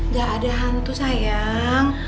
gak ada hantu sayang